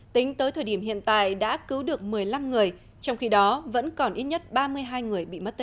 tính tới thời điểm hiện tại đã cứu được một mươi năm người trong khi đó vẫn còn ít nhất ba mươi hai người bị mất tích